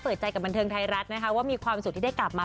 เปิดใจกับบันเทิงไทยรัฐนะคะว่ามีความสุขที่ได้กลับมา